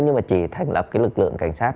nhưng mà chỉ thành lập cái lực lượng cảnh sát